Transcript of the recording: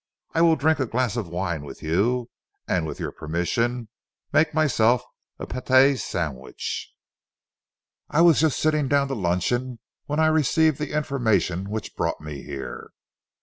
I will drink a glass of wine with you, and with your permission make myself a pâté sandwich. I was just sitting down to luncheon when I received the information which brought me here."